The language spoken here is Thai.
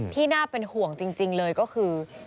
น่าเป็นห่วงจริงเลยก็คือ